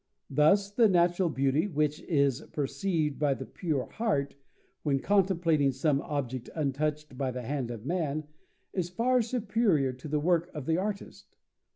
Thus the natural beauty, which is perceived by the pure heart, when contemplating some object untouched by the hand of man, is far superior to the work of the artist.